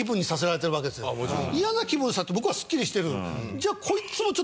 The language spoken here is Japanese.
嫌な気分にされて向こうはすっきりしてる。